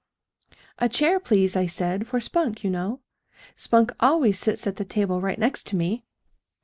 "A chair, please, I said, for Spunk, you know. Spunk always sits at the table right next to me."